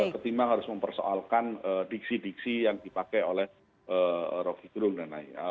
ketimbang harus mempersoalkan diksi diksi yang dipakai oleh rocky gerung dan lain lain